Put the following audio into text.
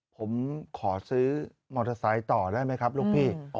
ผมขอซื้อมอเตอร์ไซค์ต่อได้ไหมครับลูกพี่